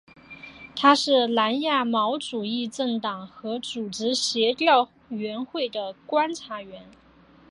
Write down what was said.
它是南亚毛主义政党和组织协调委员会的观察员。